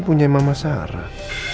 punya mama sarah